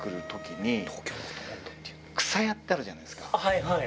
はいはい。